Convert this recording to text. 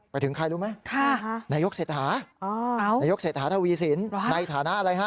ไปถึงใครรู้ไหมนายกเศรษฐานายกเศรษฐาทวีสินในฐานะอะไรฮะ